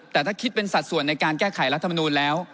แต่ถ้าคิดเป็นสัดส่วนในการแก้ไขรัฐมนูลแล้ว